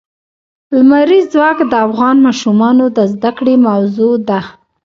لمریز ځواک د افغان ماشومانو د زده کړې موضوع ده.